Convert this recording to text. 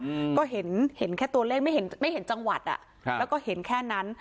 อืมก็เห็นเห็นแค่ตัวเลขไม่เห็นไม่เห็นจังหวัดอ่ะครับแล้วก็เห็นแค่นั้น